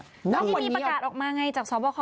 เมื่อกี้มีประกาศออกมาไงจากศบค